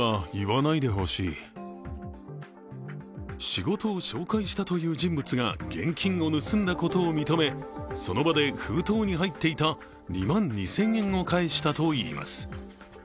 仕事を紹介したという人物が現金を盗んだことを認めその場で封筒に入っていた２万２０００円を返したといいます。